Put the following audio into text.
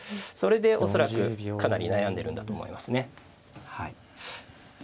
それで恐らくかなり悩んでるんだと思いますねはい。